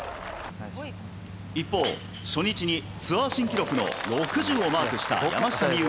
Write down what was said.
一方、初日にツアー新記録の６０をマークした山下美夢